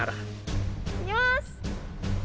いきます！